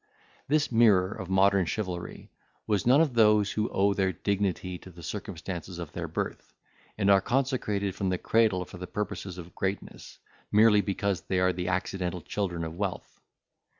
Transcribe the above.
This mirror of modern chivalry was none of those who owe their dignity to the circumstances of their birth, and are consecrated from the cradle for the purposes of greatness, merely because they are the accidental children of wealth.